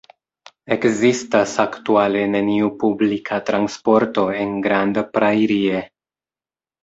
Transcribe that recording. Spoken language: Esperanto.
Ekzistas aktuale neniu publika transporto en Grand Prairie.